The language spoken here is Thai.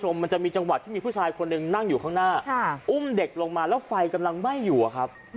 มันจะมีจังหวะที่มีผู้ชายคนหนึ่งนั่งอยู่ข้างหน้าอุ้มเด็กลงมาแล้วไฟกำลังไหม้อยู่อะครับ